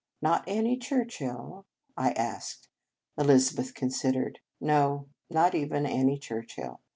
" Not Annie Churchill ?" I asked. Elizabeth considered. "No, not even Annie Churchill.